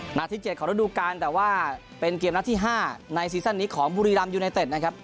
หน้าที่๗ของฤดูการแต่ว่าเป็นเกียรติหน้าที่๕ในเซศน์นี้ของบุรีลำยูไนเต็ด